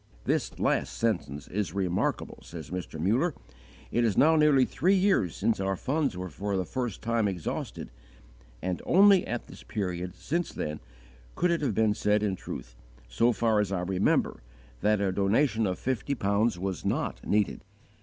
"_ "This last sentence is remarkable," says Mr. Muller. "It is now nearly three years since our funds were for the first time exhausted, and only at this period, since then, could it have been said in truth, so far as I remember, that a donation of fifty pounds was not needed.